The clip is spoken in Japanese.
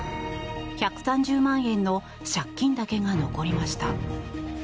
１３０万円の借金だけが残りました。